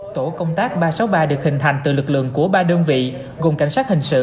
tổ công tác ba trăm sáu mươi ba được hình thành từ lực lượng của ba đơn vị gồm cảnh sát hình sự